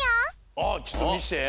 ああちょっとみして！